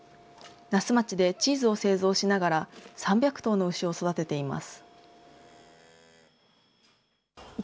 那須町でチーズを製造しながら、３００頭の牛を育てています。